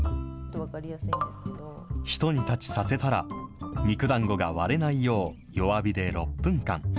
ひと煮立ちさせたら、肉だんごが割れないよう、弱火で６分間。